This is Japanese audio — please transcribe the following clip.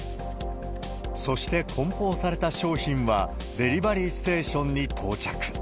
そしてこん包された商品はデリバリーステーションに到着。